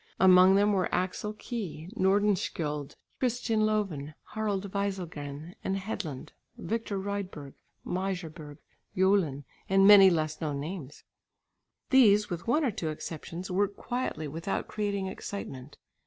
Among them were Axel Key, Nordenskiöld, Christian Loven, Harald Wieselgren, Hedlund, Victor Rydberg, Meijerberg, Jolin, and many less known names. These, with one or two exceptions, worked quietly without creating excitement.